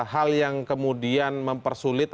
hal yang kemudian mempersulit